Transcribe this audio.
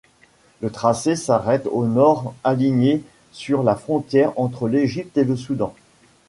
Le tracé s'arrête au nord aligné sur la frontière entre l'Égypte et le Soudan.